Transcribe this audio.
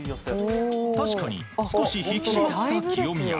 確かに、少し引き締まった清宮。